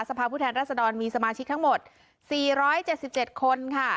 สภาพผู้แทนรัศดรมีสมาชิกทั้งหมดสี่ร้อยเจ็ดสิบเจ็ดคนค่ะ